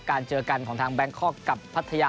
เจอกันของทางแบงคอกกับพัทยา